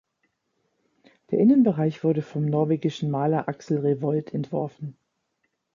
Der Innenbereich wurde vom norwegischen Maler Axel Revold entworfen.